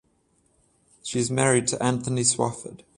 She is married to Anthony Swofford.